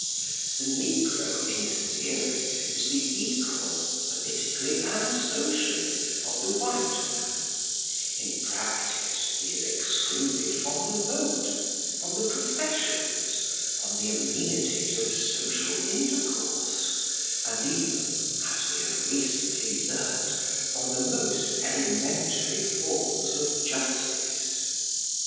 The negro, in theory, is the equal, politically and socially, of the white man; in practice, he is excluded from the vote, from the professions, from the amenities of social intercourse, and even, as we have recently learnt, from the most elementary forms of justice.